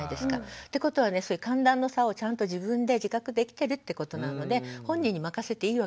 ってことは寒暖の差をちゃんと自分で自覚できてるってことなので本人に任せていいわけですよ。